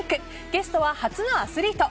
ゲストは初のアスリート。